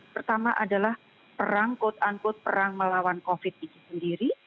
pertama adalah perang perang melawan covid sembilan belas sendiri